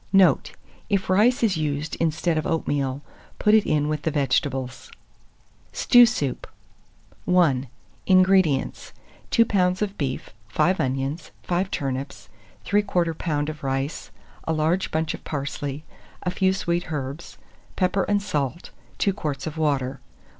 Note. If rice is used instead of oatmeal, put it in with the vegetables. STEW SOUP. I. 186. INGREDIENTS. 2 lbs. of beef, 5 onions, 5 turnips, 3/4 lb. of rice, a large bunch of parsley, a few sweet herbs, pepper and salt, 2 quarts of water.